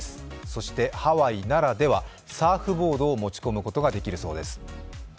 そしてハワイならでは、サーフボードを持ち込むことができるそうです。